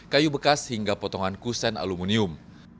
kayu bekas hingga potongan kusen aluminium